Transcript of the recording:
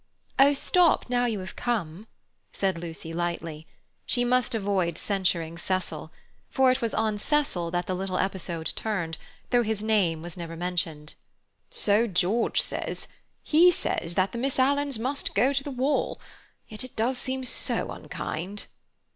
"Oh, stop now you have come," said Lucy lightly. She must avoid censuring Cecil. For it was on Cecil that the little episode turned, though his name was never mentioned. "So George says. He says that the Miss Alans must go to the wall. Yet it does seem so unkind."